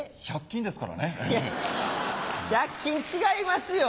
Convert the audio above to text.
１００均違いますよ。